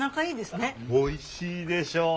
おいしいでしょう？